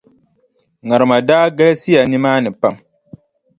Ŋarima daa galisiya nimaani pam.